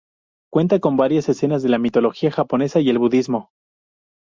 Cuenta con varias escenas de la mitología japonesa y el budismo.